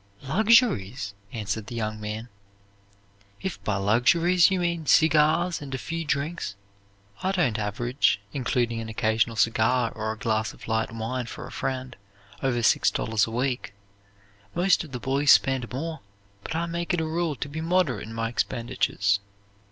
"Luxuries!" answered the young man, "if by luxuries you mean cigars and a few drinks, I don't average, including an occasional cigar or a glass of light wine for a friend, over six dollars a week. Most of the boys spend more, but I make it a rule to be moderate in my expenditures."